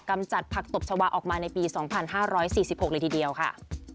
จัดผักตบชาวาออกมาในปี๒๕๔๖เลยทีเดียวค่ะ